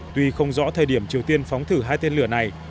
tuy không rõ thời điểm triều tiên phóng thử hai tên lửa này